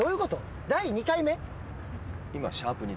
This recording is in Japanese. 第２回目？＃２！？